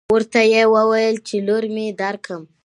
ورته يې وويل چې لور مې درکم.